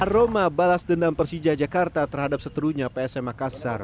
aroma balas dendam persija jakarta terhadap seterunya psm makassar